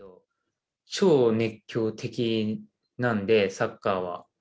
超熱狂的なんで、サッカーは。